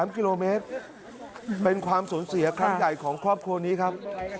๓กิโลเมตรเป็นความสูญเสียครั้งใหญ่ของครอบครัวนี้ครับ